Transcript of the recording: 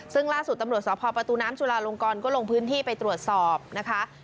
ซึ่งล่าสุดตำรวจสพประตูน้ำจุลาลงกรก็ลงพื้นที่ไปตรวจสอบนะคะ